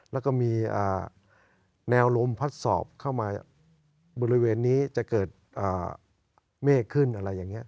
แล้วก็มีแนวลมพัดสอบเข้ามาบริเวณนี้จะเกิดเมฆขึ้นอะไรอย่างนี้